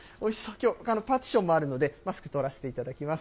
きょう、パーティションもあるので、マスク取らせていただきます。